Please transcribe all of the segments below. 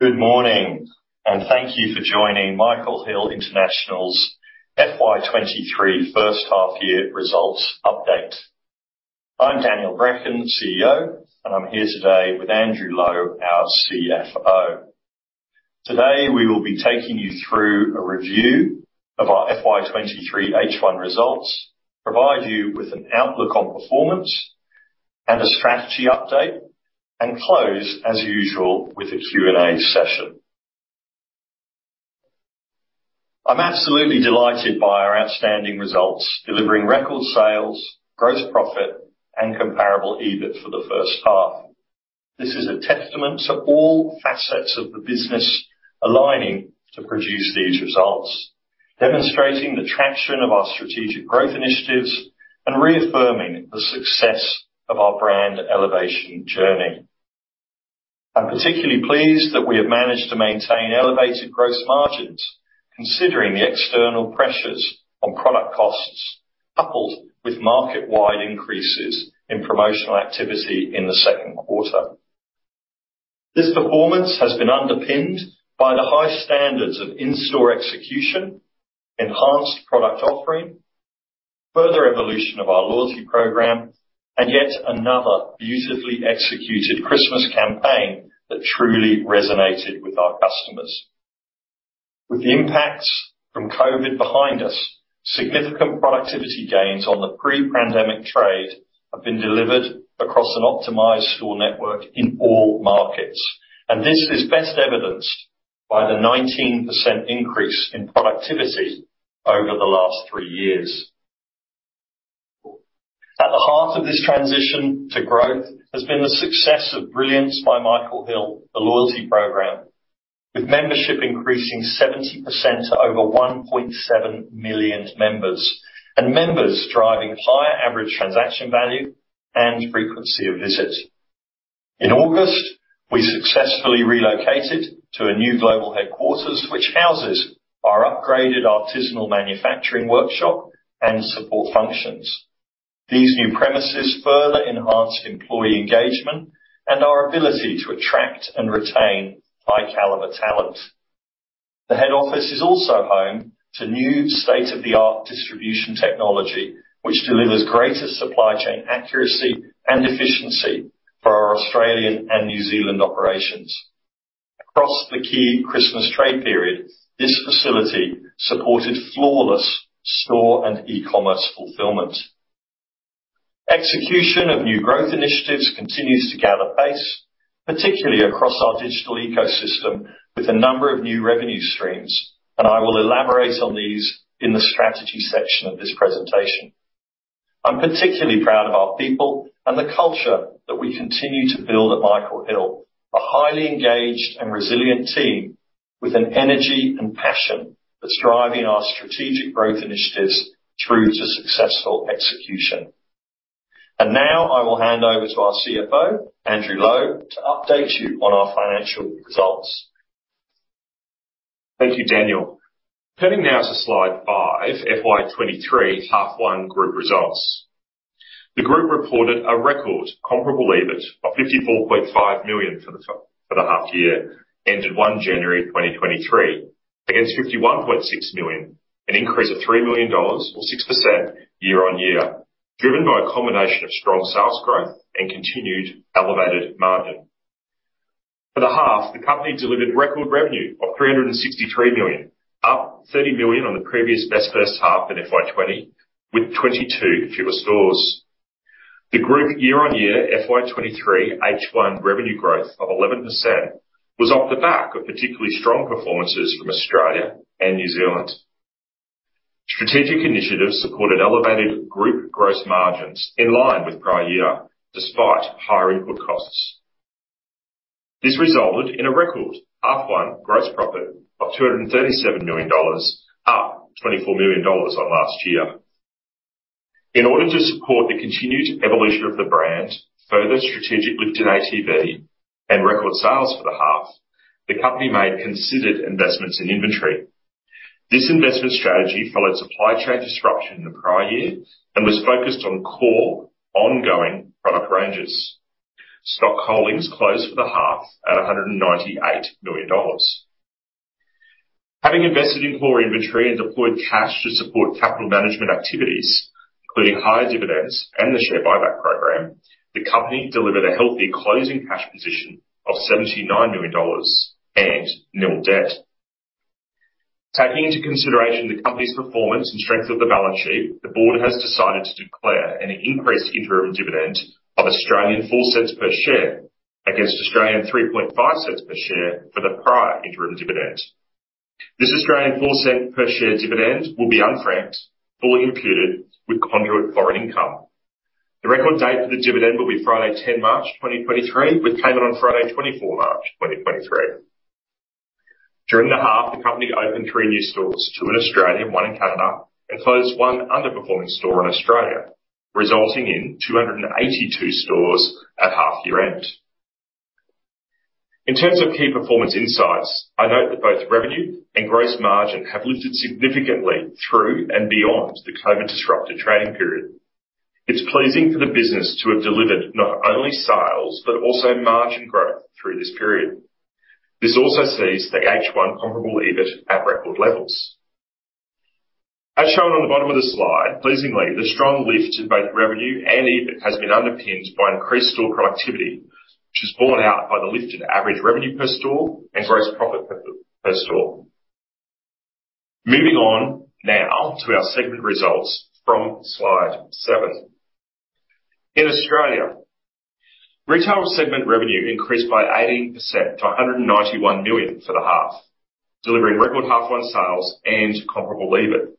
Good morning, and thank you for joining Michael Hill International's FY 2023 first half year results update. I'm Daniel Bracken, CEO, and I'm here today with Andrew Lowe, our CFO. Today, we will be taking you through a review of our FY 2023 H1 results, provide you with an outlook on performance and a strategy update, and close, as usual, with a Q&A session. I'm absolutely delighted by our outstanding results, delivering record sales, gross profit, and comparable EBIT for the first half. This is a testament to all facets of the business aligning to produce these results, demonstrating the traction of our strategic growth initiatives and reaffirming the success of our brand elevation journey. I'm particularly pleased that we have managed to maintain elevated gross margins considering the external pressures on product costs, coupled with market-wide increases in promotional activity in the second quarter. This performance has been underpinned by the high standards of in-store execution, enhanced product offering, further evolution of our loyalty program, and yet another beautifully executed Christmas campaign that truly resonated with our customers. With the impacts from COVID behind us, significant productivity gains on the pre-pandemic trade have been delivered across an optimized store network in all markets. This is best evidenced by the 19% increase in productivity over the last three years. At the heart of this transition to growth has been the success of Brilliance by Michael Hill, the loyalty program, with membership increasing 70% to over 1.7 million members, and members driving higher average transaction value and frequency of visits. In August, we successfully relocated to a new global headquarters, which houses our upgraded artisanal manufacturing workshop and support functions. These new premises further enhance employee engagement and our ability to attract and retain high caliber talent. The head office is also home to new state-of-the-art distribution technology, which delivers greater supply chain accuracy and efficiency for our Australian and New Zealand operations. Across the key Christmas trade period, this facility supported flawless store and e-commerce fulfillment. Execution of new growth initiatives continues to gather pace, particularly across our digital ecosystem with a number of new revenue streams. I will elaborate on these in the strategy section of this presentation. I'm particularly proud of our people and the culture that we continue to build at Michael Hill, a highly engaged and resilient team with an energy and passion that's driving our strategic growth initiatives through to successful execution. Now I will hand over to our CFO, Andrew Lowe, to update you on our financial results. Thank you, Daniel Bracken. Turning now to slide five, FY 2023 H1 group results. The group reported a record comparable EBIT of 54.5 million for the half year ended one January 2023, against 51.6 million, an increase of 3 million dollars or 6% year-on-year, driven by a combination of strong sales growth and continued elevated margin. For the half, the company delivered record revenue of AUD 363 million, up AUD 30 million on the previous best first half in FY 2020, with 22 fewer stores. The group year-on-year FY 2023 H1 revenue growth of 11% was off the back of particularly strong performances from Australia and New Zealand. Strategic initiatives supported elevated group gross margins in line with prior year despite higher input costs. This resulted in a record half one gross profit of 237 million dollars, up 24 million dollars on last year. In order to support the continued evolution of the brand, further strategic lift in ATV and record sales for the half, the company made considered investments in inventory. This investment strategy followed supply chain disruption in the prior year and was focused on core ongoing product ranges. Stock holdings closed for the half at 198 million dollars. Having invested in core inventory and deployed cash to support capital management activities, including higher dividends and the share buyback program, the company delivered a healthy closing cash position of 79 million dollars and nil debt. Taking into consideration the company's performance and strength of the balance sheet, the board has decided to declare an increased interim dividend of 0.04 per share against 0.035 per share for the prior interim dividend. This 0.04 per share dividend will be unfranked, fully imputed with conduit foreign income. The record date for the dividend will be Friday, March 10th, 2023, with payment on Friday, March 24th, 2023. During the half, the company opened three new stores, two in Australia, one in Canada, and closed one underperforming store in Australia, resulting in 282 stores at half year-end. In terms of key performance insights, I note that both revenue and gross margin have lifted significantly through and beyond the COVID-disrupted trading period. It's pleasing for the business to have delivered not only sales, but also margin growth through this period. This also sees the H one comparable EBIT at record levels. As shown on the bottom of the slide, pleasingly, the strong lift in both revenue and EBIT has been underpinned by increased store productivity, which is borne out by the lifted average revenue per store and gross profit per store. Moving on now to our segment results from slide seven. In Australia, retail segment revenue increased by 80% to 191 million for the half, delivering record half one sales and comparable EBIT.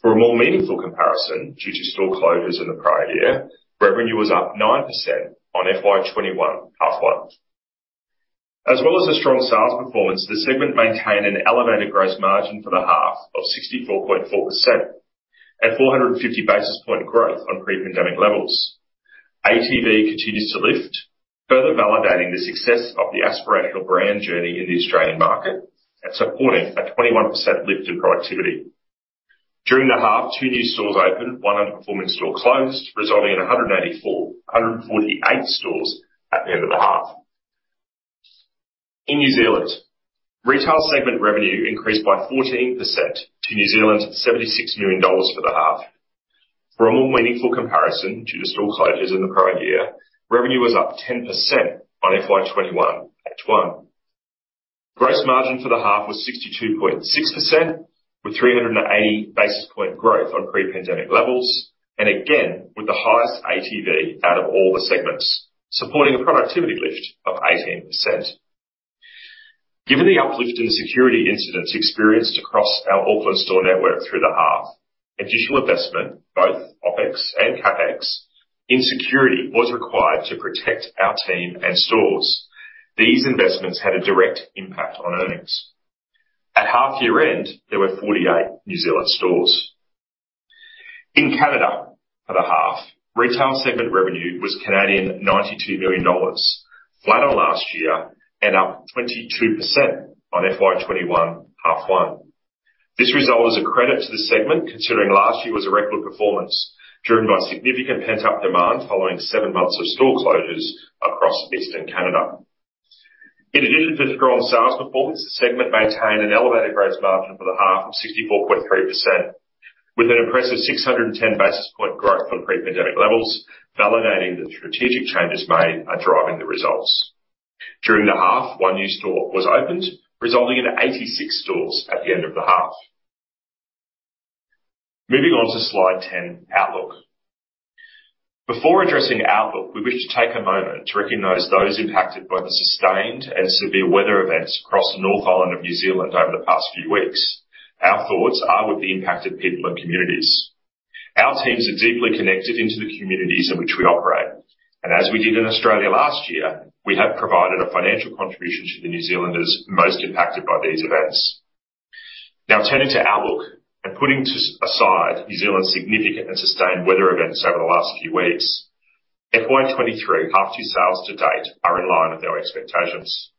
For a more meaningful comparison, due to store closures in the prior year, revenue was up 9% on FY 2021 half one. As well as a strong sales performance, the segment maintained an elevated gross margin for the half of 64.4% at 450 basis points growth on pre-pandemic levels. ATV continues to lift, further validating the success of the aspirational brand journey in the Australian market and supporting a 21% lift in productivity. During the half, two new stores opened, one underperforming store closed, resulting in 148 stores at the end of the half. In New Zealand, retail segment revenue increased by 14% to 76 million dollars for the half. For a more meaningful comparison, due to store closures in the prior year, revenue was up 10% on FY 2021 H1. Gross margin for the half was 62.6%, with 380 basis point growth on pre-pandemic levels, and again, with the highest ATV out of all the segments, supporting a productivity lift of 18%. Given the uplift in security incidents experienced across our Auckland store network through the half, additional investment, both OpEx and CapEx, in security was required to protect our team and stores. These investments had a direct impact on earnings. At half year-end, there were 48 New Zealand stores. In Canada, for the half, retail segment revenue was 92 million Canadian dollars, flat on last year and up 22% on FY 2021 half one. This result is a credit to the segment, considering last year was a record performance, driven by significant pent-up demand following seven months of store closures across eastern Canada. In addition to the strong sales performance, the segment maintained an elevated gross margin for the half of 64.3%, with an impressive 610 basis points growth on pre-pandemic levels, validating the strategic changes made are driving the results. During the half, one new store was opened, resulting in 86 stores at the end of the half. Moving on to slide 10, outlook. Before addressing outlook, we wish to take a moment to recognize those impacted by the sustained and severe weather events across the North Island of New Zealand over the past few weeks. Our thoughts are with the impacted people and communities. Our teams are deeply connected into the communities in which we operate, as we did in Australia last year, we have provided a financial contribution to the New Zealanders most impacted by these events. Now turning to outlook, putting aside New Zealand's significant and sustained weather events over the last few weeks, FY 2023 half-year sales to date are in line with our expectations.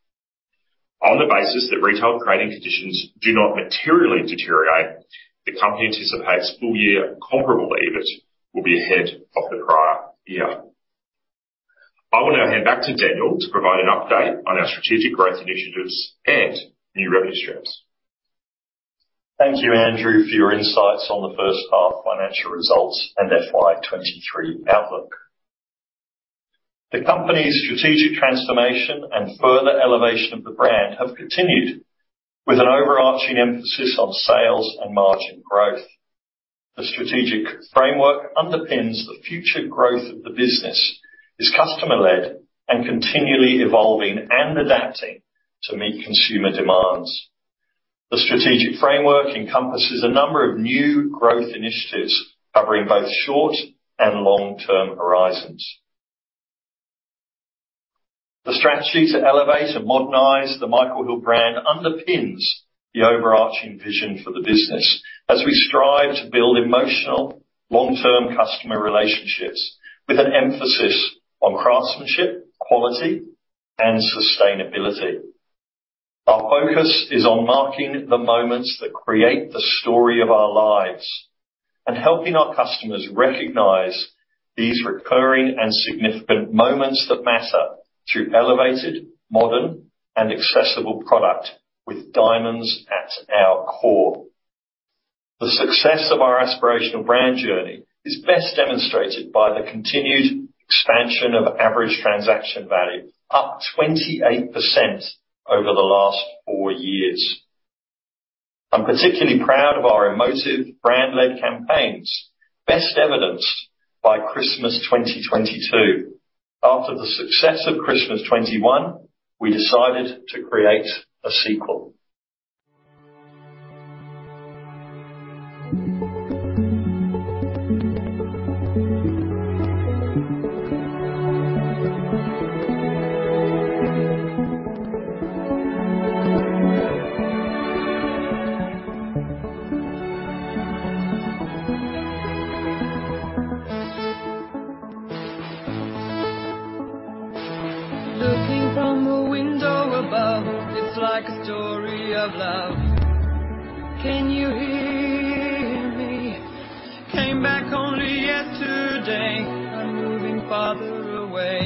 On the basis that retail trading conditions do not materially deteriorate, the company anticipates full-year comparable EBIT will be ahead of the prior year. I will now hand back to Daniel Bracken to provide an update on our strategic growth initiatives and new revenue streams. Thank you, Andrew Lowe, for your insights on the first half financial results and FY 2023 outlook. The company's strategic transformation and further elevation of the brand have continued with an overarching emphasis on sales and margin growth. The strategic framework underpins the future growth of the business, is customer-led, and continually evolving and adapting to meet consumer demands. The strategic framework encompasses a number of new growth initiatives covering both short- and long-term horizons. The strategy to elevate and modernize the Michael Hill brand underpins the overarching vision for the business as we strive to build emotional, long-term customer relationships with an emphasis on craftsmanship, quality, and sustainability. Our focus is on marking the moments that create the story of our lives and helping our customers recognize these recurring and significant moments that matter through elevated, modern, and accessible product with diamonds at our core. The success of our aspirational brand journey is best demonstrated by the continued expansion of average transaction value, up 28% over the last four years. I'm particularly proud of our emotive brand-led campaigns, best evidenced by Christmas 2022. After the success of Christmas 2021, we decided to create a sequel. Looking from a window above, it's like a story of love. Can you hear me? Came back only yesterday. I'm moving farther away.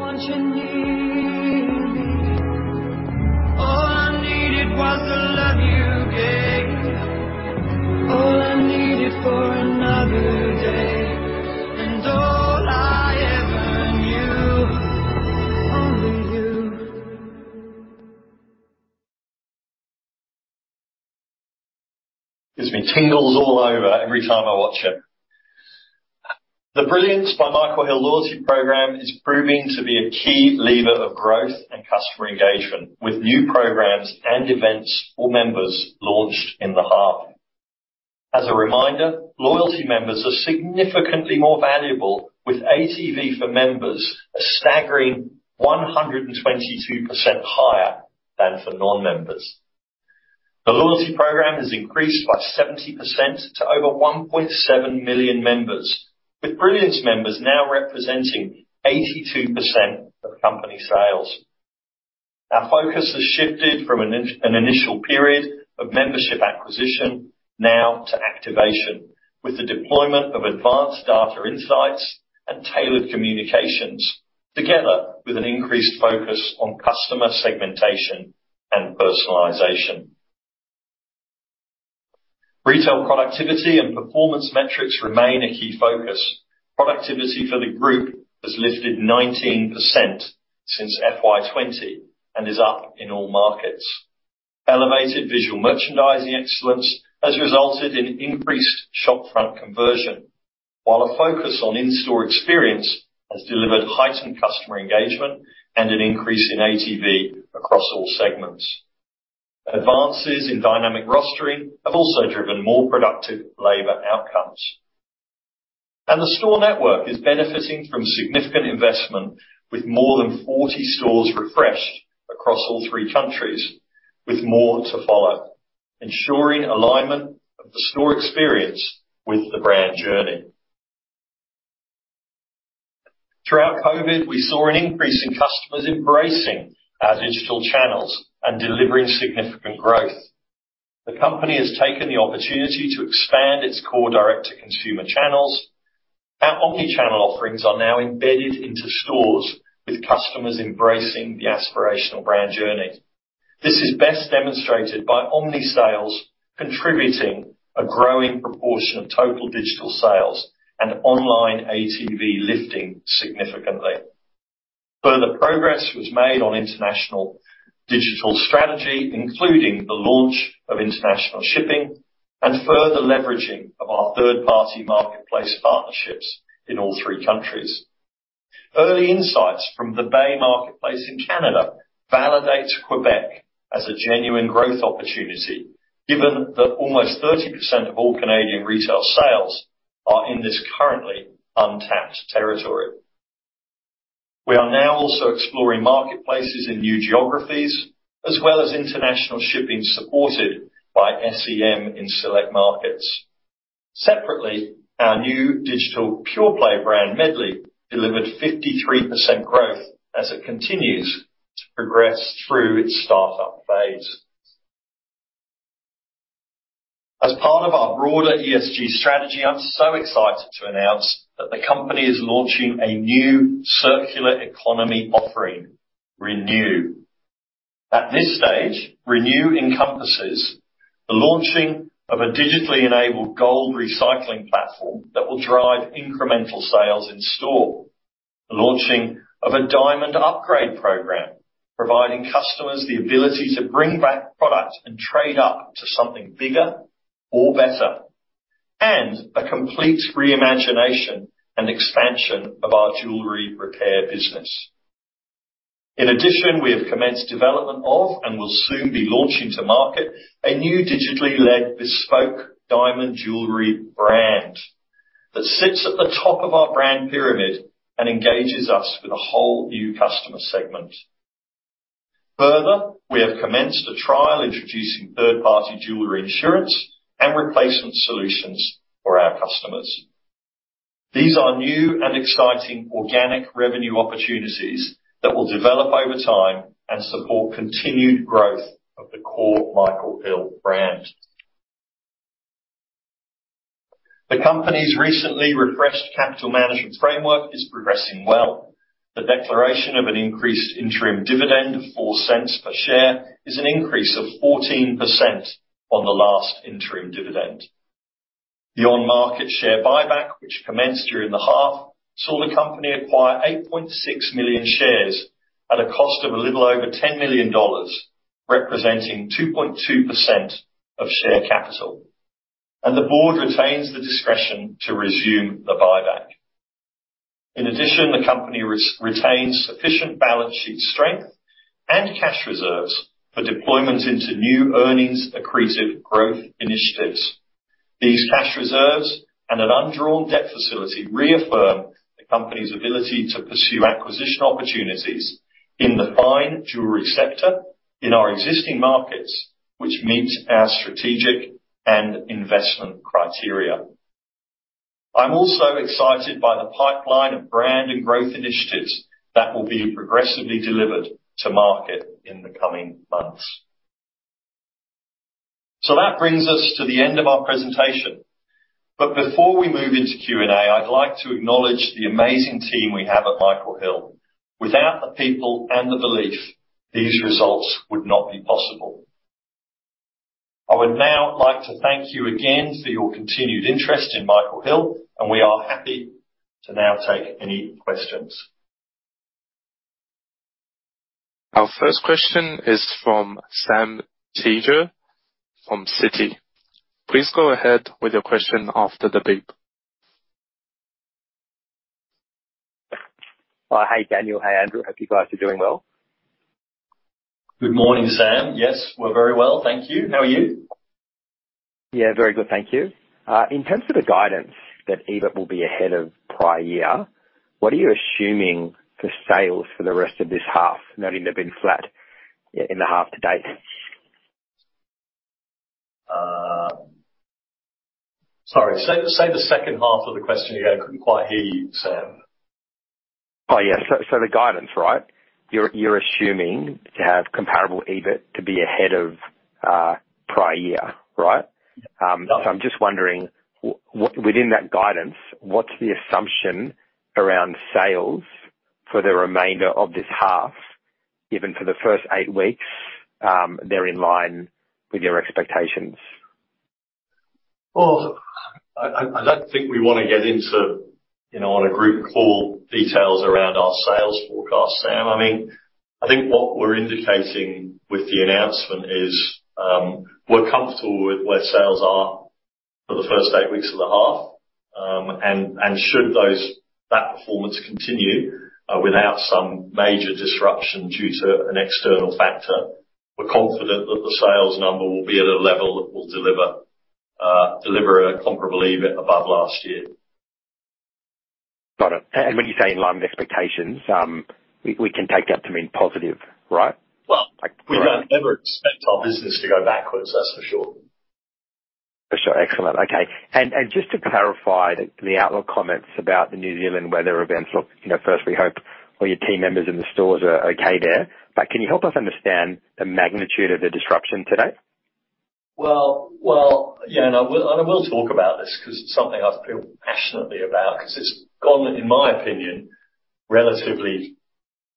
Want you near me. All I needed was the love you gave. All I needed for another day. All I ever knew, only you. Gives me tingles all over every time I watch it. The Brilliance by Michael Hill loyalty program is proving to be a key lever of growth and customer engagement, with new programs and events for members launched in the half. As a reminder, loyalty members are significantly more valuable, with ATV for members a staggering 122% higher than for non-members. The loyalty program has increased by 70% to over 1.7 million members, with Brilliance members now representing 82% of company sales. Our focus has shifted from an initial period of membership acquisition now to activation, with the deployment of advanced data insights and tailored communications, together with an increased focus on customer segmentation and personalization. Retail productivity and performance metrics remain a key focus. Productivity for the group has lifted 19% since FY 2020 and is up in all markets. Elevated visual merchandising excellence has resulted in increased shop front conversion, while a focus on in-store experience has delivered heightened customer engagement and an increase in ATV across all segments. Advances in dynamic rostering have also driven more productive labor outcomes. The store network is benefiting from significant investment with more than 40 stores refreshed across all three countries with more to follow, ensuring alignment of the store experience with the brand journey. Throughout COVID, we saw an increase in customers embracing our digital channels and delivering significant growth. The company has taken the opportunity to expand its core direct-to-consumer channels. Our omni-channel offerings are now embedded into stores, with customers embracing the aspirational brand journey. This is best demonstrated by omni-sales contributing a growing proportion of total digital sales and online ATV lifting significantly. Further progress was made on international digital strategy, including the launch of international shipping and further leveraging of our third-party marketplace partnerships in all three countries. Early insights from The Bay Marketplace in Canada validates Quebec as a genuine growth opportunity, given that almost 30% of all Canadian retail sales are in this currently untapped territory. We are now also exploring marketplaces in new geographies, as well as international shipping supported by SEM in select markets. Separately, our new digital pure play brand, Medley, delivered 53% growth as it continues to progress through its start-up phase. As part of our broader ESG strategy, I'm so excited to announce that the company is launching a new circular economy offering, Re:cycle. At this stage, Re:cycle encompasses the launching of a digitally enabled gold recycling platform that will drive incremental sales in store, the launching of a diamond upgrade program, providing customers the ability to bring back products and trade up to something bigger or better, and a complete reimagination and expansion of our jewelry repair business. We have commenced development of and will soon be launching to market a new digitally led bespoke diamond jewelry brand that sits at the top of our brand pyramid and engages us with a whole new customer segment. We have commenced a trial introducing third-party jewelry insurance and replacement solutions for our customers. These are new and exciting organic revenue opportunities that will develop over time and support continued growth of the core Michael Hill brand. The company's recently refreshed capital management framework is progressing well. The declaration of an increased interim dividend of 0.04 per share is an increase of 14% on the last interim dividend. The on-market share buyback, which commenced during the half, saw the company acquire 8.6 million shares at a cost of a little over 10 million dollars, representing 2.2% of share capital, and the board retains the discretion to resume the buyback. In addition, the company retains sufficient balance sheet strength and cash reserves for deployment into new earnings accretive growth initiatives. These cash reserves and an undrawn debt facility reaffirm the company's ability to pursue acquisition opportunities in the fine jewelry sector in our existing markets, which meet our strategic and investment criteria. I'm also excited by the pipeline of brand and growth initiatives that will be progressively delivered to market in the coming months. That brings us to the end of our presentation. Before we move into Q&A, I'd like to acknowledge the amazing team we have at Michael Hill. Without the people and the belief, these results would not be possible. I would now like to thank you again for your continued interest in Michael Hill, and we are happy to now take any questions. Our first question is from Sam Teeger from Citi. Please go ahead with your question after the beep. Hi, Daniel Bracken. Hi, Andrew Lowe. Hope you guys are doing well. Good morning, Sam Teeger. Yes, we're very well. Thank you. How are you? Yeah, very good. Thank you. In terms of the guidance that EBIT will be ahead of prior year, what are you assuming for sales for the rest of this half? Noting they've been flat in the half to date. Sorry. Say the second half of the question again. I couldn't quite hear you, Sam Teeger. Yeah. The guidance, right? You're assuming to have comparable EBIT to be ahead of prior year, right? I'm just wondering within that guidance, what's the assumption around sales for the remainder of this half, given for the first eight weeks, they're in line with your expectations? Well, I don't think we wanna get into, you know, on a group call details around our sales forecast, Sam. I mean, I think what we're indicating with the announcement is, we're comfortable with where sales are for the first eight weeks of the half. Should that performance continue without some major disruption due to an external factor, we're confident that the sales number will be at a level that will deliver a comparable EBIT above last year. Got it. When you say in line with expectations, we can take that to mean positive, right? Well, we don't ever expect our business to go backwards. That's for sure. For sure. Excellent. Okay. Just to clarify the outlook comments about the New Zealand weather events. Look, you know, first, we hope all your team members in the stores are okay there. Can you help us understand the magnitude of the disruption to date? Well, yeah, and I will, and I will talk about this 'cause it's something I feel passionately about 'cause it's gone, in my opinion, relatively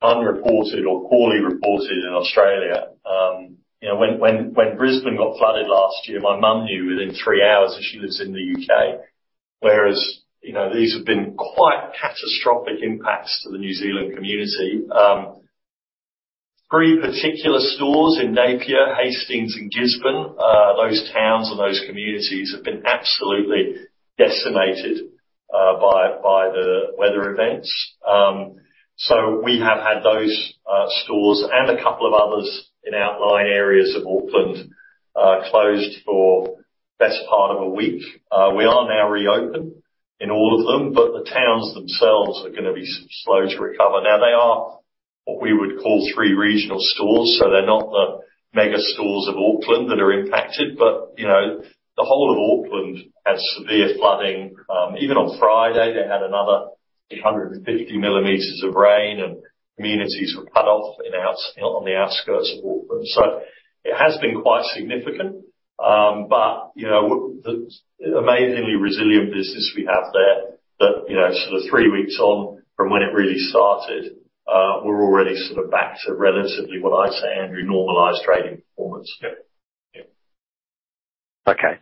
unreported or poorly reported in Australia. You know, when Brisbane got flooded last year, my mom knew within three hours, and she lives in the U.K. Whereas, you know, these have been quite catastrophic impacts to the New Zealand community. Three particular stores in Napier, Hastings and Gisborne, those towns and those communities have been absolutely decimated by the weather events. We have had those stores and a couple of others in outlying areas of Auckland closed for best part of a week. We are now reopened in all of them, but the towns themselves are gonna be slow to recover. Now they are what we would call three regional stores, so they're not the mega stores of Auckland that are impacted. You know, the whole of Auckland had severe flooding. Even on Friday, they had another 350 millimeters of rain and communities were cut off on the outskirts of Auckland. It has been quite significant. You know, the amazingly resilient business we have there that, you know, sort of three weeks on from when it really started, we're already sort of back to relatively what I'd say, Andrew, normalized trading performance. Yeah. Okay.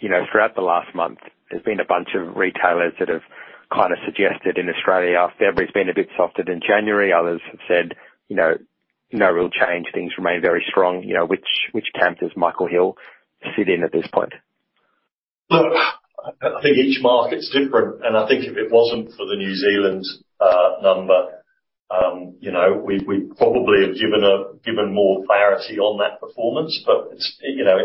You know, throughout the last month, there's been a bunch of retailers that have kinda suggested in Australia, February's been a bit softer than January. Others have said, you know, no real change, things remain very strong. You know, which camp does Michael Hill sit in at this point? Look, I think each market's different. I think if it wasn't for the New Zealand number, you know, we probably have given more clarity on that performance. It's, you know,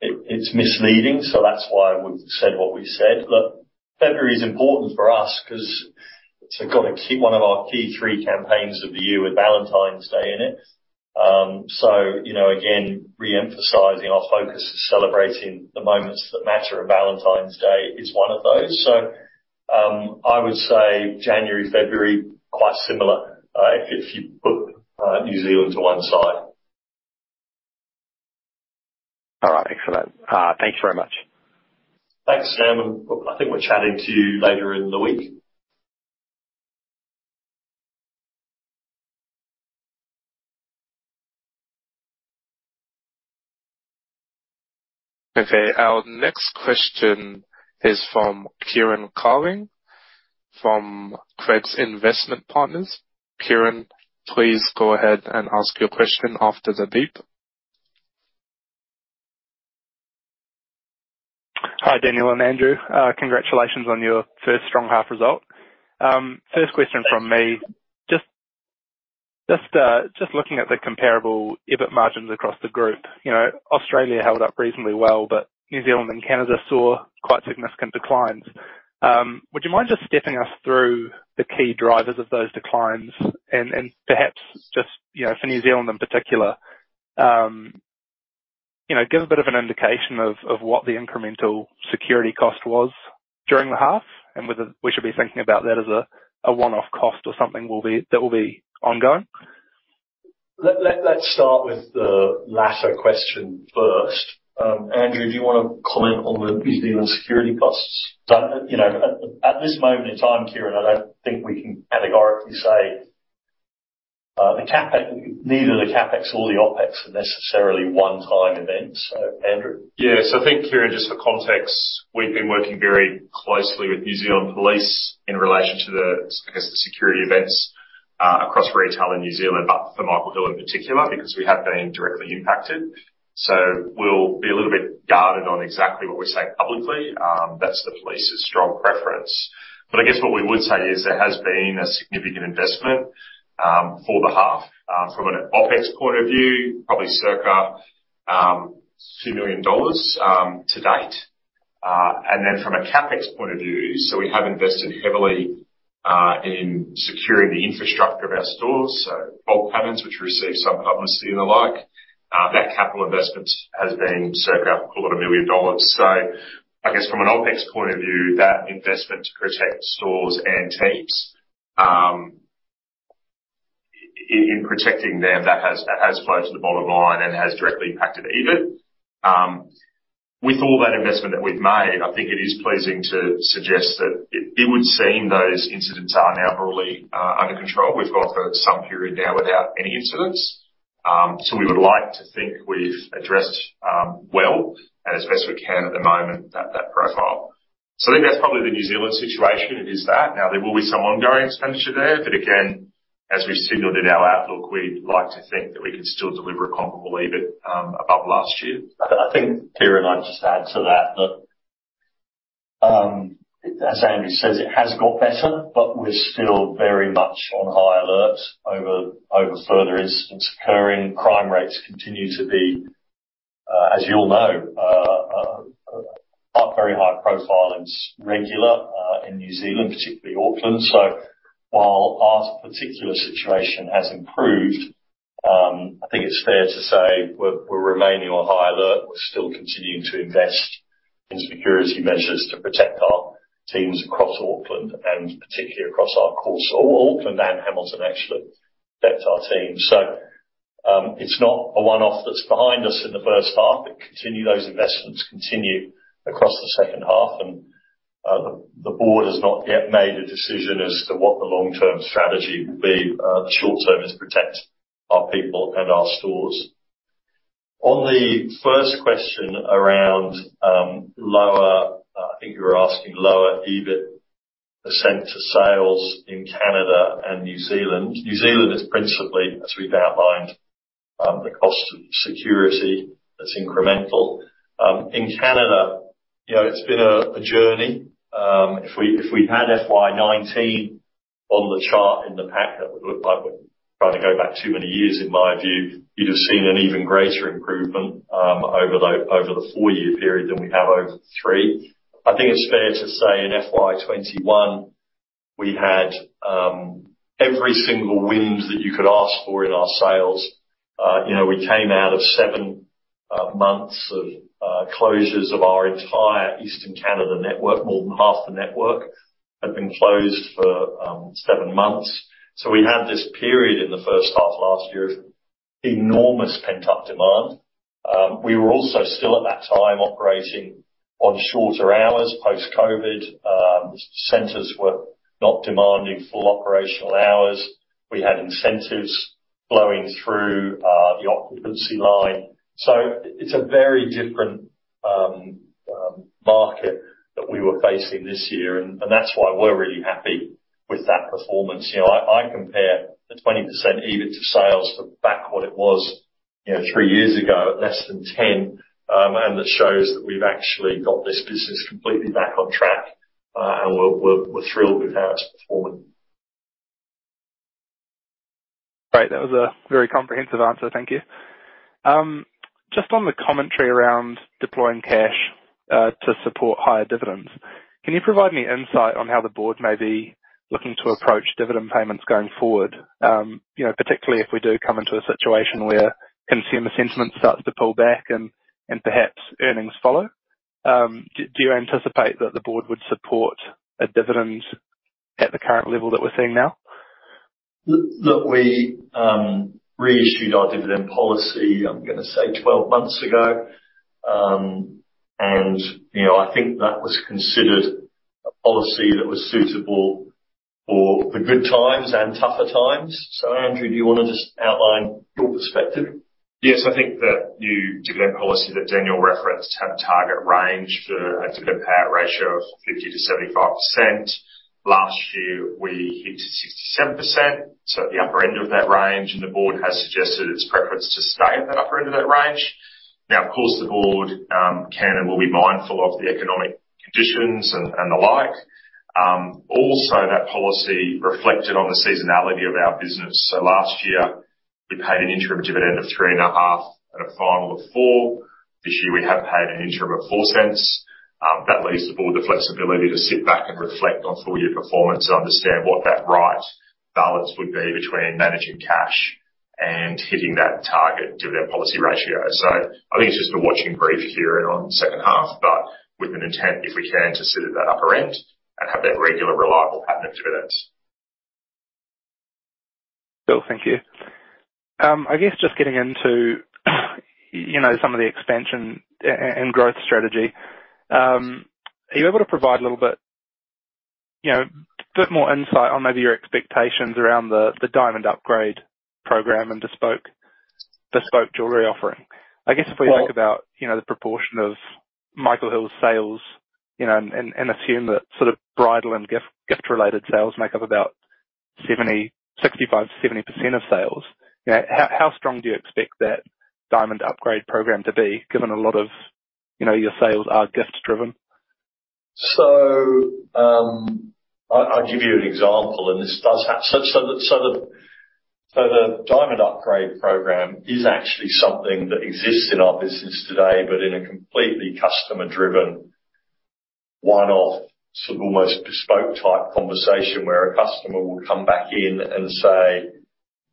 it's misleading. That's why we've said what we said. Look, February is important for us 'cause it's gotta keep one of our key three campaigns of the year with Valentine's Day in it. You know, again, re-emphasizing our focus is celebrating the moments that matter, and Valentine's Day is one of those. I would say January, February, quite similar. If you put New Zealand to one side. All right. Excellent. Thank you very much. Thanks, Sam Teeger. I think we're chatting to you later in the week. Okay. Our next question is from Kieran Carling from Craigs Investment Partners. Kieran Carling, please go ahead and ask your question after the beep. Hi, Daniel Bracken and Andrew Lowe. Congratulations on your first strong half result. First question from me. Just looking at the comparable EBIT margins across the group. You know, Australia held up reasonably well, but New Zealand and Canada saw quite significant declines. Would you mind just stepping us through the key drivers of those declines and perhaps just, you know, for New Zealand in particular, you know, give a bit of an indication of what the incremental security cost was during the half, and whether we should be thinking about that as a one-off cost or something that will be ongoing. Let's start with the latter question first. Andrew Lowe, do you wanna comment on the New Zealand security costs? Don, you know, at this moment in time, Kieran Carling, I don't think we can categorically say, neither the CapEx or the OpEx are necessarily one-time events. Andrew. Yes. I think, Kieran Carling, just for context, we've been working very closely with New Zealand Police in relation to the, I guess, the security events across retail in New Zealand, but for Michael Hill in particular, because we have been directly impacted. We'll be a little bit guarded on exactly what we say publicly, that's the police's strong preference. I guess what we would say is there has been a significant investment for the half from an OpEx point of view, probably circa 2 million dollars to date. From a CapEx point of view, we have invested heavily in securing the infrastructure of our stores. which receive some publicity and the like, that capital investment has been circa, call it 1 million dollars. I guess from an OpEx point of view, that investment to protect stores and teams, in protecting them, that has flowed to the bottom line and has directly impacted EBIT. With all that investment that we've made, I think it is pleasing to suggest that it would seem those incidents are now probably under control. We've gone for some period now without any incidents. We would like to think we've addressed, well, and as best we can at the moment, that profile. I think that's probably the New Zealand situation is that. Now, there will be some ongoing expenditure there, but again, as we signaled in our outlook, we'd like to think that we can still deliver a comparable EBIT above last year. I think, Kieran Carling, I'd just add to that as Andrew Lowe says, it has got better. We're still very much on high alert over further incidents occurring. Crime rates continue to be, as you all know, are very high profile and regular in New Zealand, particularly Auckland. While our particular situation has improved, I think it's fair to say we're remaining on high alert. We're still continuing to invest in security measures to protect our teams across Auckland and particularly across our core. Auckland and Hamilton actually affect our teams. It's not a one-off that's behind us in the first half. Those investments continue across the second half. The board has not yet made a decision as to what the long-term strategy will be. The short term is protect our people and our stores. On the first question around lower, I think you were asking lower EBIT percent to sales in Canada and New Zealand. New Zealand is principally, as we've outlined, the cost of security that's incremental. In Canada, you know, it's been a journey. If we'd had FY 2019 on the chart in the pack, that would look like we're trying to go back too many years in my view, you'd have seen an even greater improvement over the four-year period than we have over the three. I think it's fair to say in FY 2021 we had every single wind that you could ask for in our sales. You know, we came out of seven months of closures of our entire Eastern Canada network. More than half the network had been closed for seven months. We had this period in the first half last year of enormous pent-up demand. We were also still at that time operating on shorter hours post-COVID. Centers were not demanding full operational hours. We had incentives flowing through the occupancy line. It's a very different market that we were facing this year. That's why we're really happy with that performance. You know, I compare the 20% EBIT to sales for back what it was, you know, three years ago at less than 10. That shows that we've actually got this business completely back on track. We're thrilled with how it's performing. Great. That was a very comprehensive answer, thank you. Just on the commentary around deploying cash to support higher dividends, can you provide any insight on how the board may be looking to approach dividend payments going forward? You know, particularly if we do come into a situation where consumer sentiment starts to pull back and perhaps earnings follow. Do you anticipate that the board would support a dividend at the current level that we're seeing now? Look, we reissued our dividend policy, I'm gonna say 12 months ago. You know, I think that was considered a policy that was suitable for the good times and tougher times. Andrew, do you wanna just outline your perspective? Yes, I think that new dividend policy that Daniel referenced had a target range for a dividend payout ratio of 50%-75%. Last year we hit 67%, so at the upper end of that range. The board has suggested its preference to stay at that upper end of that range. Now, of course, the board can and will be mindful of the economic conditions and the like. Also that policy reflected on the seasonality of our business. Last year we paid an interim dividend of 0.035 at a final of 0.04. This year we have paid an interim of 0.04. That leaves the board the flexibility to sit back and reflect on full year performance and understand what that right balance would be between managing cash and hitting that target dividend policy ratio. I think it's just a watching brief here and on second half, but with an intent, if we can, to sit at that upper end and have that regular reliable pattern of dividends. Bill, thank you. I guess just getting into, you know, some of the expansion and growth strategy, are you able to provide a little bit, you know, a bit more insight on maybe your expectations around the diamond upgrade program and bespoke jewelry offering? I guess if we think about, you know, the proportion of Michael Hill's sales, you know, and assume that sort of bridal and gift-related sales make up about 65%-70% of sales, how strong do you expect that diamond upgrade program to be given a lot of, you know, your sales are gift-driven? I'll give you an example. The diamond upgrade program is actually something that exists in our business today, but in a completely customer-driven, one-off, sort of almost bespoke type conversation where a customer will come back in and say,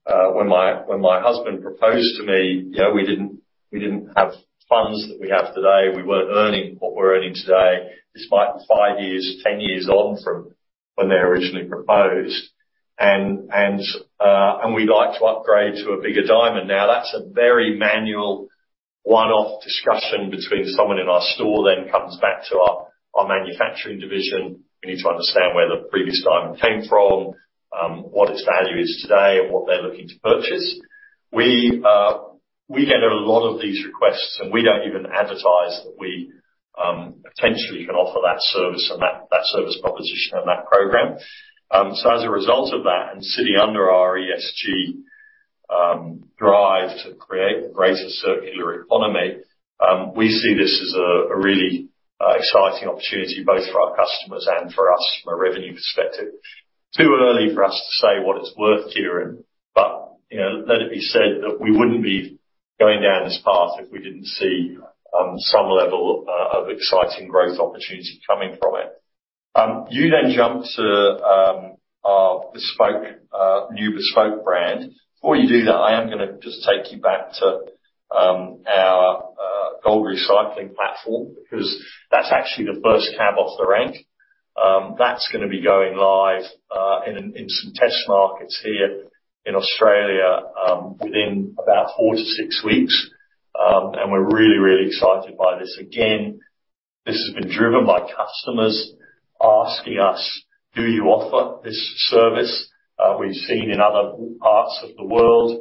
"When my husband proposed to me, you know, we didn't have funds that we have today. We weren't earning what we're earning today," this might be five years, 10 years on from when they originally proposed, "and we'd like to upgrade to a bigger diamond now." That's a very manual one-off discussion between someone in our store, then comes back to our manufacturing division. We need to understand where the previous diamond came from, what its value is today and what they're looking to purchase. We get a lot of these requests, and we don't even advertise that we potentially can offer that service and that service proposition and that program. As a result of that, and sitting under our ESG drive to create a greater circular economy, we see this as a really exciting opportunity both for our customers and for us from a revenue perspective. Too early for us to say what it's worth, Kieran, but, you know, let it be said that we wouldn't be going down this path if we didn't see some level of exciting growth opportunity coming from it. You then jump to our bespoke new bespoke brand. Before you do that, I am gonna just take you back to our gold recycling platform, because that's actually the first cab off the rank. That's gonna be going live in some test markets here in Australia within about four to six weeks. We're really excited by this. Again, this has been driven by customers asking us, "Do you offer this service?" We've seen in other parts of the world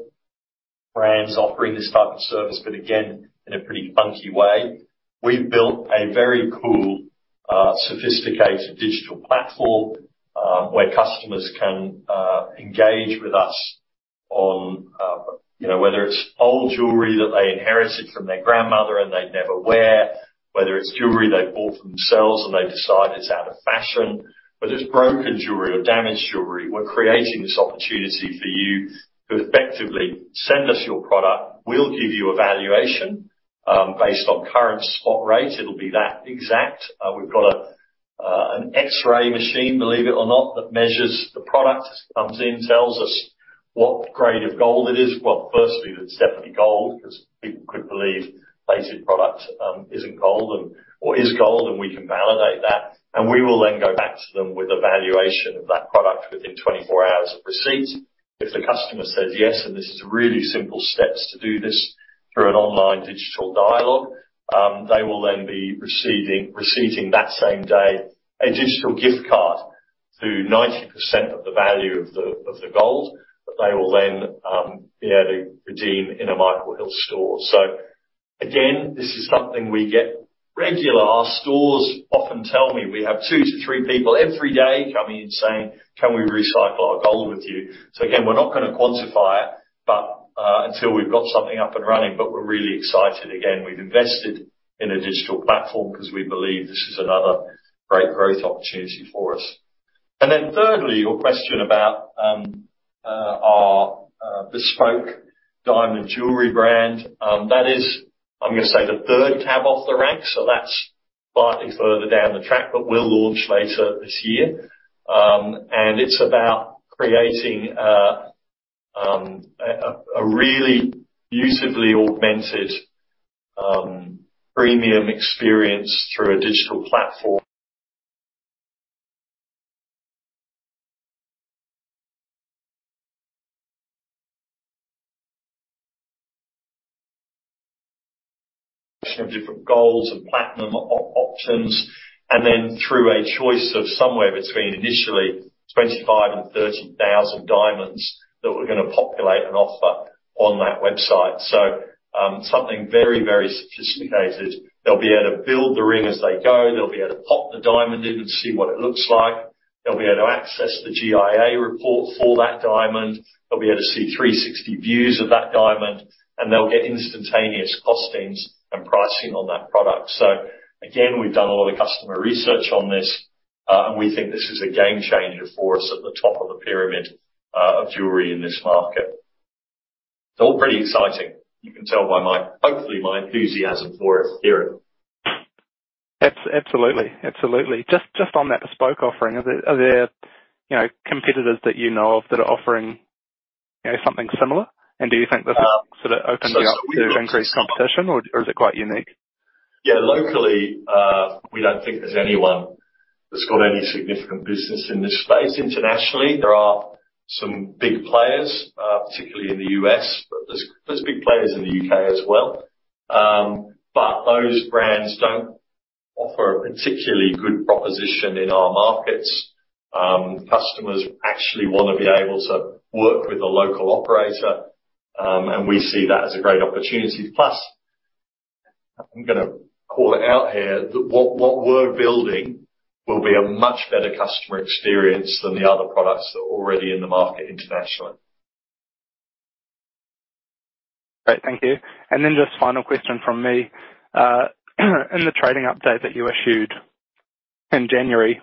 brands offering this type of service, but again, in a pretty funky way. We've built a very cool, sophisticated digital platform where customers can engage with us on, you know, whether it's old jewelry that they inherited from their grandmother and they never wear, whether it's jewelry they bought for themselves and they decide it's out of fashion, whether it's broken jewelry or damaged jewelry, we're creating this opportunity for you to effectively send us your product. We'll give you a valuation based on current spot rate. It'll be that exact. We've got an X-ray machine, believe it or not, that measures the product, comes in, tells us what grade of gold it is. Firstly, that it's definitely gold because people could believe plated product isn't gold or is gold, and we can validate that. We will then go back to them with a valuation of that product within 24 hours of receipt. If the customer says yes, this is really simple steps to do this through an online digital dialogue, they will then be receiving that same day a digital gift card to 90% of the value of the gold that they will then be able to redeem in a Michael Hill store. Again, this is something we get regular. Our stores often tell me we have two to three people every day coming in saying, "Can we recycle our gold with you?" Again, we're not gonna quantify it, but until we've got something up and running, but we're really excited. Again, we've invested in a digital platform because we believe this is another great growth opportunity for us. Thirdly, your question about our bespoke diamond jewelry brand. That is, I'm gonna say, the third cab off the rank, so that's slightly further down the track, but we'll launch later this year. It's about creating a really usefully augmented premium experience through a digital platform. Of different golds and platinum options, and then through a choice of somewhere between initially 25,000 and 30,000 diamonds that we're gonna populate and offer on that website. Something very, very sophisticated. They'll be able to build the ring as they go. They'll be able to pop the diamond in and see what it looks like. They'll be able to access the GIA report for that diamond. They'll be able to see 360 views of that diamond, and they'll get instantaneous costings and pricing on that product. Again, we've done a lot of customer research on this, and we think this is a game changer for us at the top of the pyramid of jewelry in this market. It's all pretty exciting. You can tell by my, hopefully, my enthusiasm for it, Kieran. Absolutely. Absolutely. Just on that bespoke offering, are there, you know, competitors that you know of that are offering, you know, something similar? Do you think this has sort of opened you up to increased competition or is it quite unique? Yeah. Locally, we don't think there's anyone that's got any significant business in this space. Internationally, there are some big players, particularly in the U.S., but there's big players in the U.K. as well. Those brands don't offer a particularly good proposition in our markets. Customers actually wanna be able to work with a local operator, and we see that as a great opportunity. Plus, I'm gonna call it out here that what we're building will be a much better customer experience than the other products that are already in the market internationally. Great. Thank you. Just final question from me. In the trading update that you issued in January,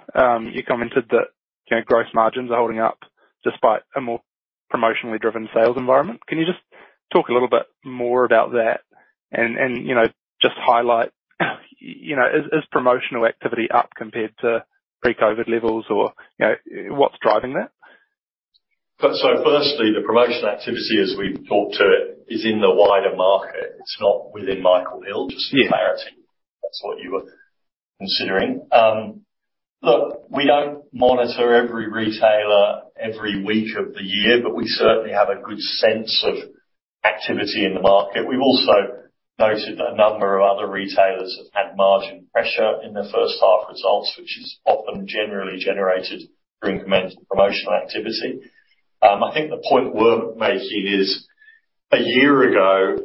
you commented that, you know, gross margins are holding up despite a more promotionally driven sales environment. Can you just talk a little bit more about that and, you know, just highlight, you know, is promotional activity up compared to pre-COVID levels or, you know, what's driving that? Firstly, the promotional activity as we've talked to it is in the wider market. It's not within Michael Hill. Just for clarity, if that's what you were considering. Look, we don't monitor every retailer every week of the year, but we certainly have a good sense of activity in the market. We've also noted that a number of other retailers have had margin pressure in their first half results, which is often generally generated for incremental promotional activity. I think the point we're making is, a year ago,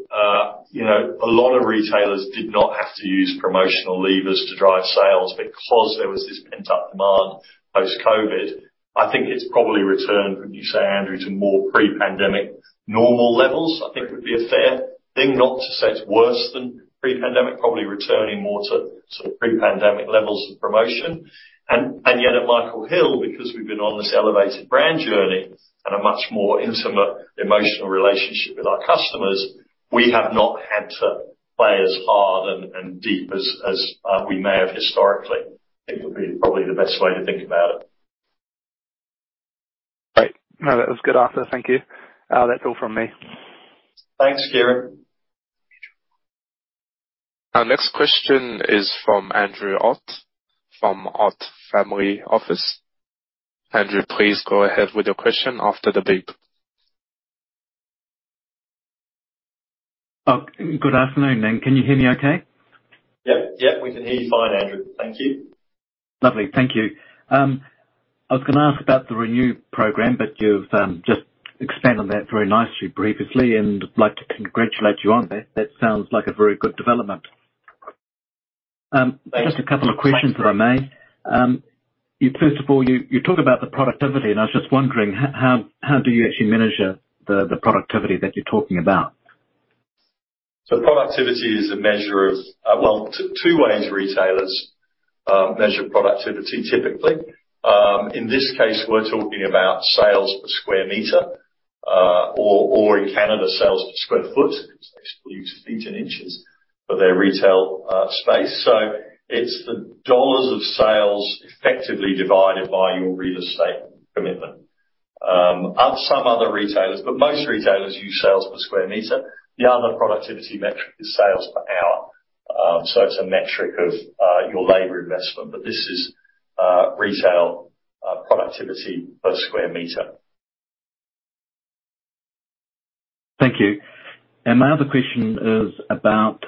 you know, a lot of retailers did not have to use promotional levers to drive sales because there was this pent-up demand post-COVID. I think it's probably returned, would you say, Andrew Lowe, to more pre-pandemic normal levels? I think would be a fair thing not to say it's worse than pre-pandemic, probably returning more to sort of pre-pandemic levels of promotion. And yet at Michael Hill, because we've been on this elevated brand journey and a much more intimate emotional relationship with our customers, we have not had to play as hard and deep as we may have historically. I think would be probably the best way to think about it. Great. No, that was good. Thank you. That's all from me. Thanks, Kieran Carling. Our next question is from Andrew Ott from Ott Family Office. Andrew Ott, please go ahead with your question after the beep. Good afternoon. Can you hear me okay? Yep, we can hear you fine, Andrew Ott. Thank you. Lovely. Thank you. I was gonna ask about the renew program, but you've just expanded on that very nicely previously, and I'd like to congratulate you on that. That sounds like a very good development. Just a couple of questions, if I may. First of all, you talk about the productivity, and I was just wondering how do you actually measure the productivity that you're talking about? Productivity is a measure of Well, two ways retailers measure productivity, typically. In this case, we're talking about sales per square meter, or in Canada, sales per square foot. Because they still use feet and inches for their retail space. It's the dollars of sales effectively divided by your real estate commitment. At some other retailers, but most retailers use sales per square meter. The other productivity metric is sales per hour. It's a metric of your labor investment. This is retail productivity per square meter. Thank you. My other question is about,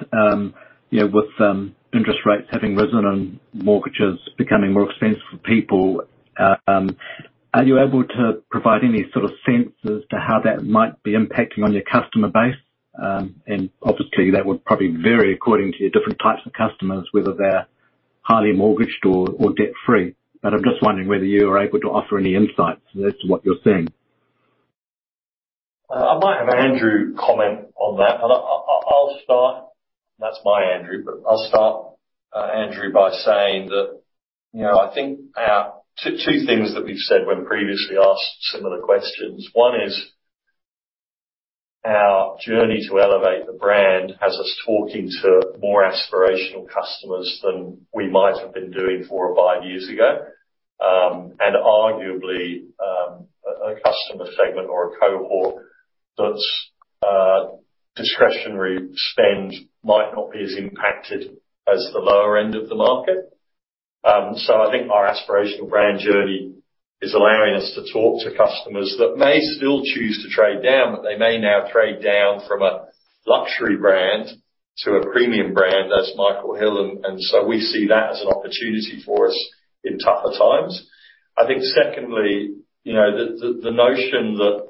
you know, with interest rates having risen and mortgages becoming more expensive for people, are you able to provide any sort of sense as to how that might be impacting on your customer base? Obviously, that would probably vary according to your different types of customers, whether they're highly mortgaged or debt-free. I'm just wondering whether you are able to offer any insights as to what you're seeing. I might have Andrew Lowe comment on that. I'll start. That's my Andrew Lowe. I'll start, Andrew Ott by saying that, two things that we've said when previously asked similar questions. One is our journey to elevate the brand has us talking to more aspirational customers than we might have been doing four or five years ago. arguably, a customer segment or a cohort that's discretionary spend might not be as impacted as the lower end of the market. I think our aspirational brand journey is allowing us to talk to customers that may still choose to trade down, but they may now trade down from a luxury brand to a premium brand that's Michael Hill. we see that as an opportunity for us in tougher times. I think secondly, you know, the, the notion that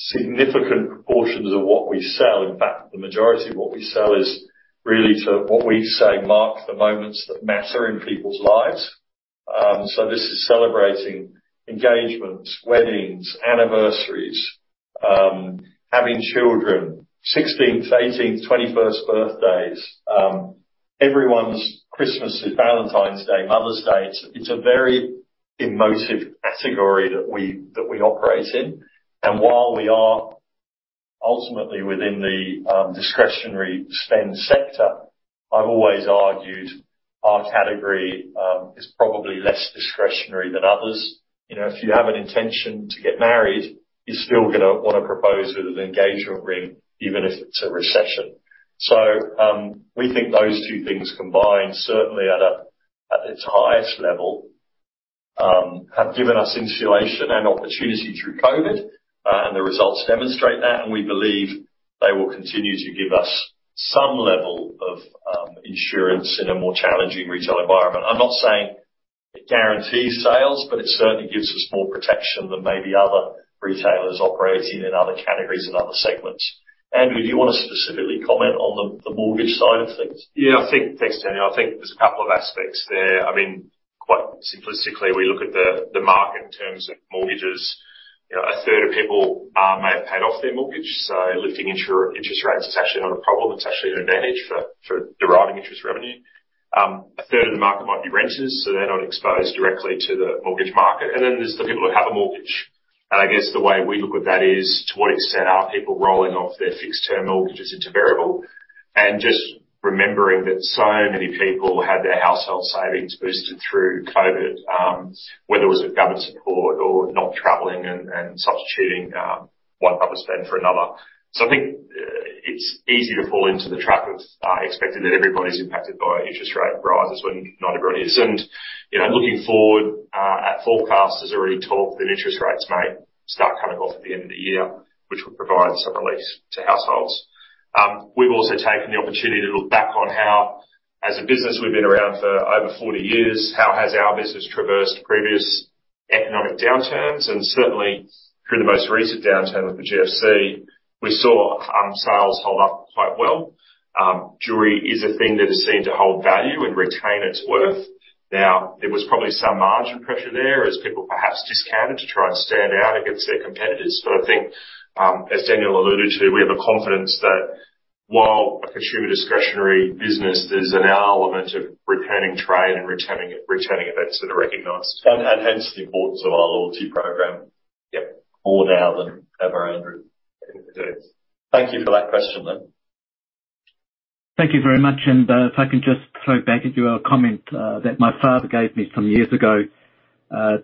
significant proportions of what we sell, in fact, the majority of what we sell is really to what we say mark the moments that matter in people's lives. This is celebrating engagements, weddings, anniversaries, having children, 16th, 18th, 21st birthdays. Everyone's Christmas and Valentine's Day, Mother's Day. It's a very emotive category that we operate in. While we are ultimately within the discretionary spend sector, I've always argued our category is probably less discretionary than others. You know, if you have an intention to get married, you're still gonna wanna propose with an engagement ring, even if it's a recession. We think those two things combined, certainly at its highest level, have given us insulation and opportunity through COVID, and the results demonstrate that. We believe they will continue to give us some level of insurance in a more challenging retail environment. I'm not saying it guarantees sales. It certainly gives us more protection than maybe other retailers operating in other categories and other segments. Andrew Lowe, do you wanna specifically comment on the mortgage side of things? Yeah, I think. Thanks, Daniel Bracken. I think there's a couple of aspects there. I mean, quite simplistically, we look at the market in terms of mortgages. You know, a third of people may have paid off their mortgage, so lifting interest rates is actually not a problem. It's actually an advantage for deriving interest revenue. A third of the market might be renters, so they're not exposed directly to the mortgage market. There's the people who have a mortgage. I guess the way we look at that is to what extent are people rolling off their fixed term mortgages into variable. Just remembering that so many people had their household savings boosted through COVID, whether it was with government support or not traveling and substituting one type of spend for another. I think it's easy to fall into the trap of expecting that everybody's impacted by interest rate rises when not everybody is. You know, looking forward at forecasts, there's already talk that interest rates may start coming off at the end of the year, which will provide some relief to households. We've also taken the opportunity to look back on how, as a business, we've been around for over 40 years, how has our business traversed previous economic downturns? Certainly through the most recent downturn with the GFC, we saw sales hold up quite well. Jewelry is a thing that is seen to hold value and retain its worth. There was probably some margin pressure there as people perhaps discounted to try and stand out against their competitors. I think, as Daniel Bracken alluded to, we have a confidence that while a consumer discretionary business, there's an element of returning trade and returning events that are recognized. Hence the importance of our loyalty program. Yep. More now than ever, Andrew. Thank you for that question. Thank you very much. If I can just throw back at you a comment that my father gave me some years ago.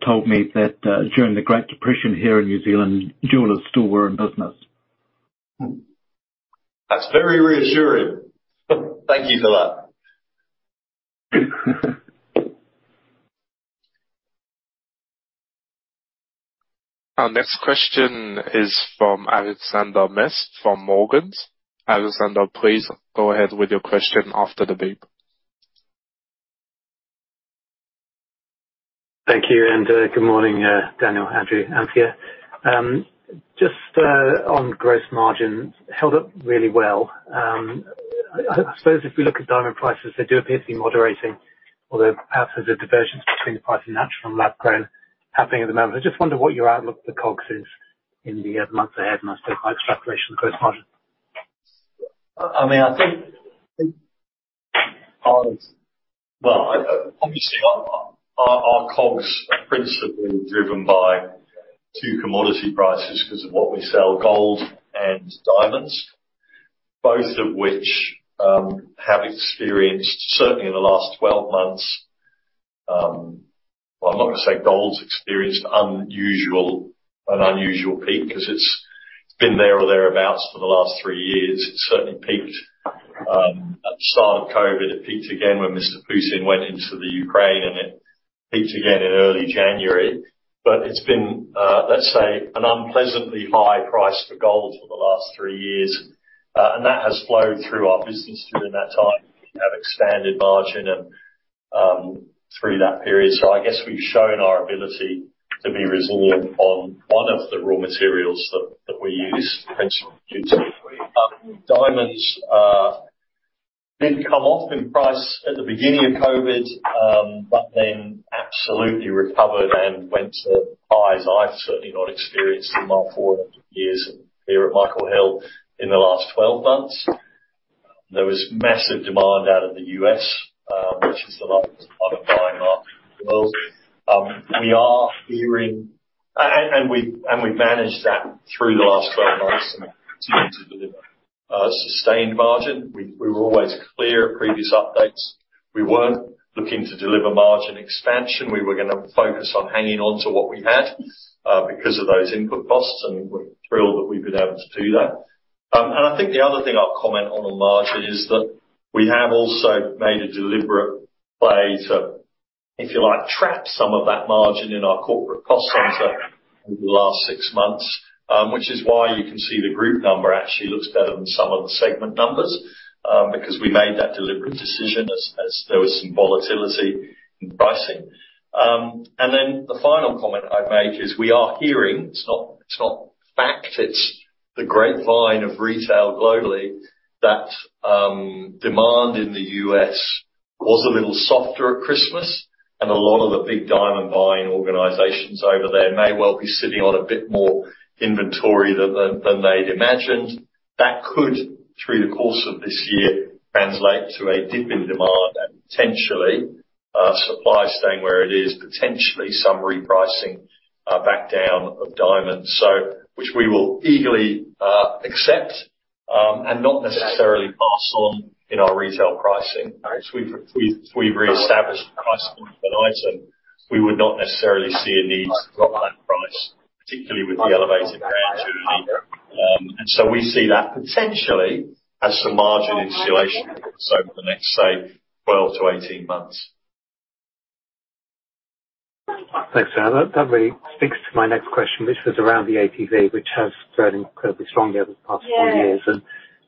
Told me that during the Great Depression here in New Zealand, jewelers still were in business. That's very reassuring. Thank you for that. Our next question is from Alexander Mees from Morgans. Alexander Mees, please go ahead with your question after the beep. Thank you. Good morning, Daniel Bracken, Andrew Lowe. Just on gross margins, held up really well. I suppose if we look at diamond prices, they do appear to be moderating, although perhaps there's a diversion between the price of natural and lab grown happening at the moment. I just wonder what your outlook for COGS is in the months ahead, and I suppose by extrapolation, gross margin. I mean, I think obviously. Well, obviously our COGS are principally driven by two commodity prices 'cause of what we sell, gold and diamonds. Both of which have experienced, certainly in the last 12 months. Well, I'm not gonna say gold's experienced unusual, an unusual peak 'cause it's been there or thereabouts for the last three years. It certainly peaked at the start of COVID. It peaked again when Mr. Putin went into the Ukraine, and it peaked again in early January. But it's been, let's say, an unpleasantly high price for gold for the last three years. That has flowed through our business during that time. We have expanded margin and through that period. I guess we've shown our ability to be resilient on one of the raw materials that we use principally. Diamonds did come off in price at the beginning of COVID. Absolutely recovered and went to highs I've certainly not experienced in my 40 years here at Michael Hill in the last 12 months. There was massive demand out of the U.S., which is the largest part of buying our goods. We are hearing. And we've managed that through the last 12 months and continued to deliver a sustained margin. We were always clear at previous updates we weren't looking to deliver margin expansion. We were gonna focus on hanging on to what we had because of those input costs, and we're thrilled that we've been able to do that. I think the other thing I'll comment on margin is that we have also made a deliberate play to, if you like, trap some of that margin in our corporate cost center over the last six months. Which is why you can see the group number actually looks better than some of the segment numbers, because we made that deliberate decision as there was some volatility in pricing. The final comment I'd make is we are hearing, it's not, it's not fact, it's the grapevine of retail globally, that demand in the U.S. was a little softer at Christmas, and a lot of the big diamond buying organizations over there may well be sitting on a bit more inventory than they'd imagined. That could, through the course of this year, translate to a dip in demand and potentially, supply staying where it is, potentially some repricing, back down of diamonds. Which we will eagerly, accept, and not necessarily pass on in our retail pricing. We've reestablished the price point of an item, we would not necessarily see a need to drop that price, particularly with the elevated rent duty. We see that potentially as some margin insulation, so for the next, say, 12 to 18 months. Thanks. That really speaks to my next question, which was around the ATV, which has grown incredibly strongly over the past four years.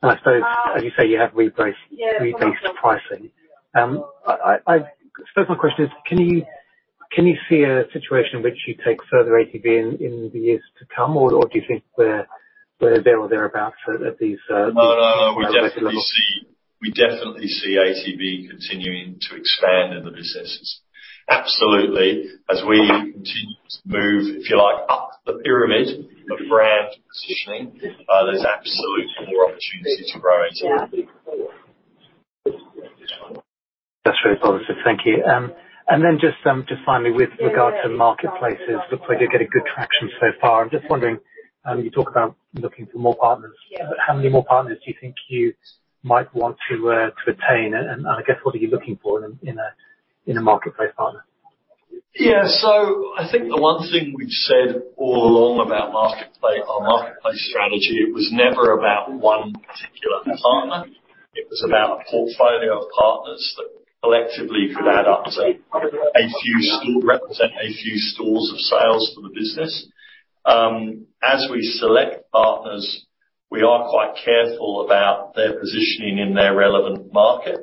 I suppose, as you say, you have rebased pricing. So my question is, can you see a situation in which you take further ATV in the years to come? Or do you think we're there or thereabout for these? No, we definitely see ATV continuing to expand in the businesses. Absolutely, as we continue to move, if you like, up the pyramid of brand positioning, there's absolutely more opportunities to grow ATV. Yeah. That's very positive. Thank you. Just finally with regards to marketplaces, looks like you're getting good traction so far. I'm just wondering, you talk about looking for more partners. How many more partners do you think you might want to attain? I guess what are you looking for in a, in a marketplace partner? Yeah. I think the one thing we've said all along about marketplace, our marketplace strategy, it was never about one particular partner. It was about a portfolio of partners that collectively could add up to a few stores, represent a few stores of sales for the business. As we select partners, we are quite careful about their positioning in their relevant market.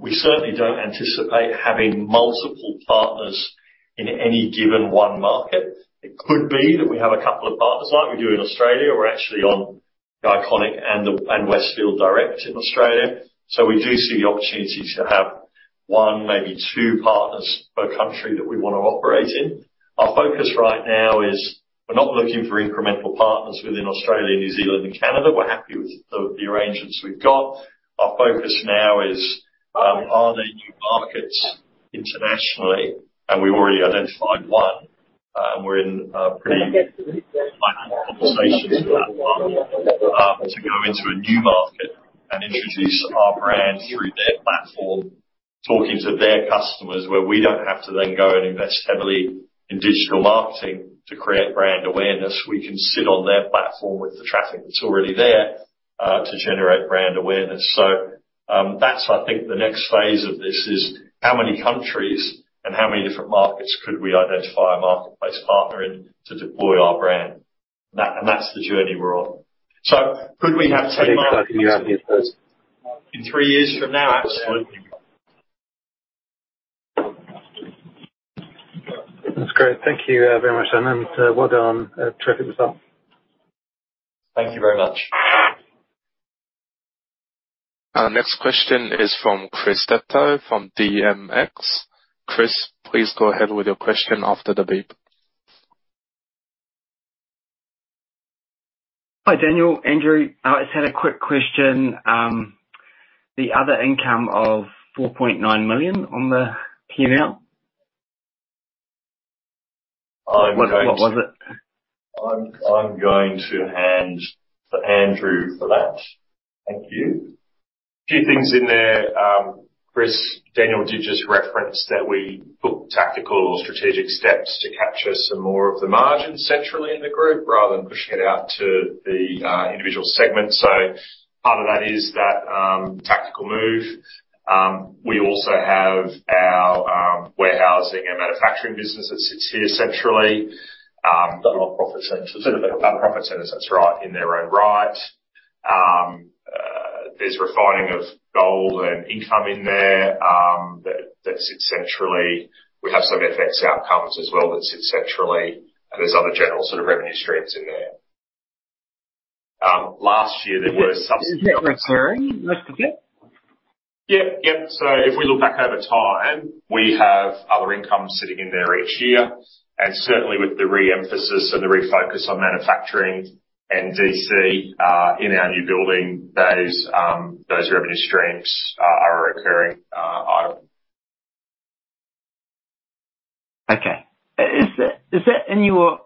We certainly don't anticipate having multiple partners in any given one market. It could be that we have a couple of partners like we do in Australia. We're actually on Iconic and Westfield Direct in Australia. We do see opportunity to have one, maybe two partners per country that we wanna operate in. Our focus right now is we're not looking for incremental partners within Australia, New Zealand and Canada. We're happy with the arrangements we've got. Our focus now is, are there new markets internationally? We've already identified one, and we're in pretty final conversations with that one, to go into a new market and introduce our brand through their platform, talking to their customers, where we don't have to then go and invest heavily in digital marketing to create brand awareness. We can sit on their platform with the traffic that's already there, to generate brand awareness. That's I think the next phase of this is how many countries and how many different markets could we identify a marketplace partner in to deploy our brand. That's the journey we're on. Could we have 10 markets in three years from now? Absolutely. That's great. Thank you, very much, Daniel Bracken, and well done. Terrific result. Thank you very much. Our next question is from Chris Steptoe from DMX Asset Management. Chris Steptoe, please go ahead with your question after the beep. Hi, Daniel Bracken, Andrew Lowe. I just had a quick question. The other income of 4.9 million on the year now. I'm going to- What was it? I'm going to hand for Andrew Lowe for that. Thank you. A few things in there, Chris Steptoe. Daniel Bracken did just reference that we book tactical or strategic steps to capture some more of the margin centrally in the group rather than pushing it out to the individual segment. Part of that is that tactical move. We also have our warehousing and manufacturing business that sits here centrally. They're non-profit centers. They're non-profit centers, that's right, in their own right. There's refining of gold and income in there, that sits centrally. We have some FX outcomes as well that sit centrally. There's other general sort of revenue streams in there. Last year there were subs- Is that recurring, most of it? Yep. If we look back over time, we have other income sitting in there each year, and certainly with the re-emphasis or the refocus on manufacturing and DC, in our new building, those revenue streams are a recurring item. Okay. Is that in your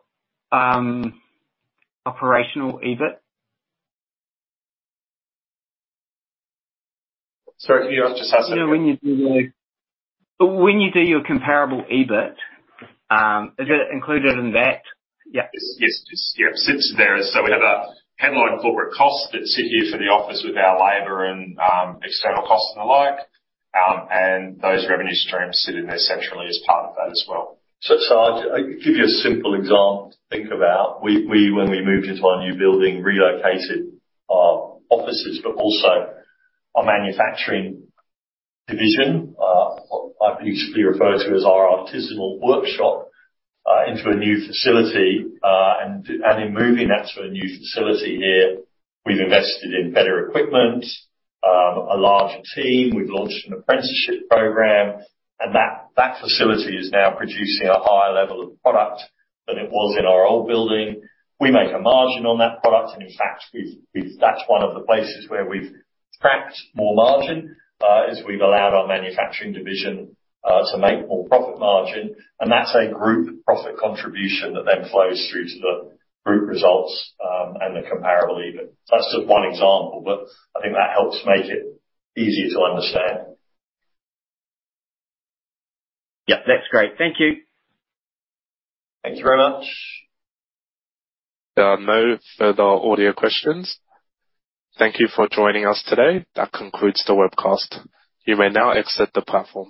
operational EBIT? Sorry, could you just ask that again? When you do your comparable EBIT, is it included in that? Yes, Yep, sits there. We have a headline corporate cost that sit here for the office with our labor and external costs and the like, and those revenue streams sit in there centrally as part of that as well. I'll give you a simple example to think about. We when we moved into our new building, relocated our offices, but also our manufacturing division, what I usually refer to as our artisanal workshop, into a new facility. In moving that to a new facility here, we've invested in better equipment, a larger team. We've launched an apprenticeship program, and that facility is now producing a higher level of product than it was in our old building. We make a margin on that product, and in fact, we. That's one of the places where we've tracked more margin, is we've allowed our manufacturing division, to make more profit margin, and that's a group profit contribution that then flows through to the group results, and the comparable EBIT. That's just one example, but I think that helps make it easier to understand. Yeah. That's great. Thank you. Thank you very much. There are no further audio questions. Thank you for joining us today. That concludes the webcast. You may now exit the platform.